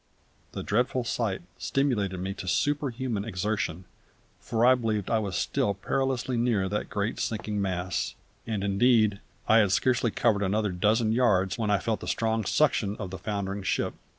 The dreadful sight stimulated me to superhuman exertion, for I believed I was still perilously near that great sinking mass; and indeed I had scarcely covered another dozen yards when I felt the strong suction of the foundering ship.